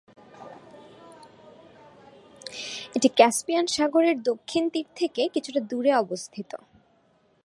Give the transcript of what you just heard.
এটি কাস্পিয়ান সাগরের দক্ষিণ তীর থেকে কিছুটা দূরে অবস্থিত।